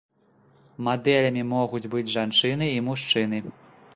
Мадэлямі могуць быць жанчыны і мужчыны.